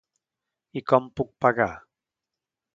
I com puc pagar?